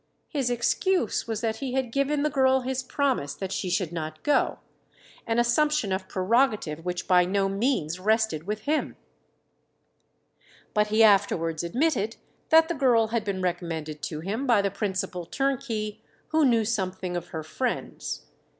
His excuse was that he had given the girl his promise that she should not go, an assumption of prerogative which by no means rested with him; but he afterwards admitted that the girl had been recommended to him by the principal turnkey, who knew something of her friends.